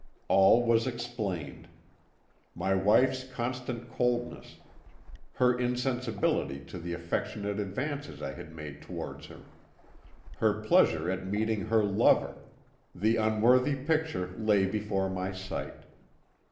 All was explained. My wife's constant coldness, her insensibility to the affectionate advances I had made towards her, her pleasure at meeting her lover the unworthy picture lay before my sight.